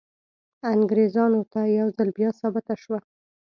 انګریزانو ته یو ځل بیا ثابته شوه.